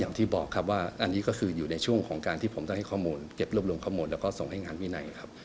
อย่างที่บอกครับว่าอันนี้ก็คืออยู่ในช่วงของการที่ผมต้องให้ข้อมูลเก็บรวบรวมข้อมูลแล้วก็ส่งให้งานวินัยครับ